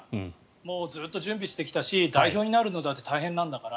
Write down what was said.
もうずっと準備してきたし代表になるのだって大変なんだから。